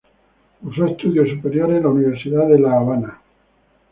Cursó estudios superiores en la Universidad de La Habana.